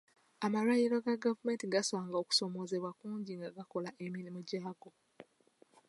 Amalwaliro ga gavumenti gasanga okusoomoozebwa kungi nga gakola emirimu gyaago.